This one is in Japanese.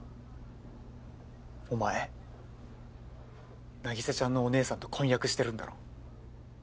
お前凪沙ちゃんのお姉さんと婚約してるんだろ？